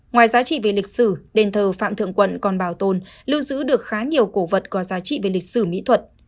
ngoài giá trị về lịch sử đền thờ phạm thượng quận còn bảo tồn lưu giữ được khá nhiều cổ vật có giá trị về lịch sử mỹ thuật